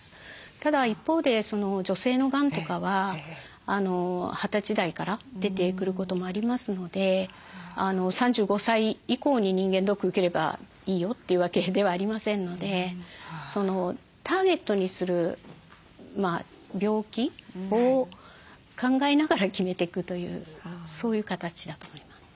ただ一方で女性のがんとかは二十歳代から出てくることもありますので３５歳以降に人間ドック受ければいいよというわけではありませんのでターゲットにする病気を考えながら決めていくというそういう形だと思います。